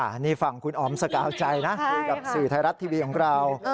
อันนี้ฝั่งคุณอ๋อมสกาวใจนะคุยกับสื่อไทยรัฐทีวีของเรา